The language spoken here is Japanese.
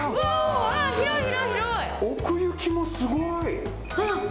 奥行きもすごい！